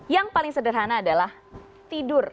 yang paling sederhana adalah tidur